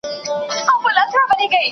د ګرمو وینو یو غورځنګ پکار و